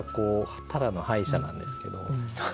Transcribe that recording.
ただの歯医者なんですけど。